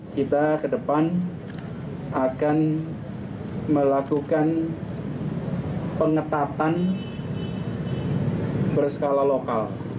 kita ke depan akan melakukan pengetatan berskala lokal